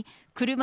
車。